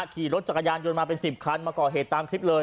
ขี่รถจักรยานยนต์มาเป็น๑๐คันมาก่อเหตุตามคลิปเลย